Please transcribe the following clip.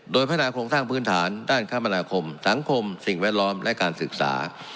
โดยพัฒนาโครงสร้างพื้นฐานด้านคมนาคมสังคมสิ่งแวดล้อมและการศึกษา